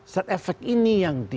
set efek ini yang di